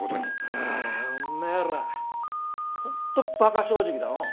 はあお前ら本当バカ正直だのう。